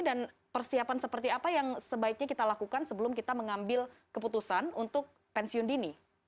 dan persiapan seperti apa yang sebaiknya kita lakukan sebelum kita mengambil keputusan untuk pensiun dini